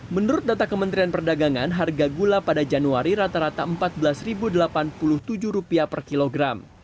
menurut data kementerian perdagangan harga gula pada januari rata rata rp empat belas delapan puluh tujuh per kilogram